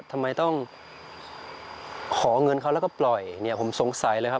ทำไมต้องขอเงินเขาแล้วก็ปล่อยเนี่ยผมสงสัยเลยครับ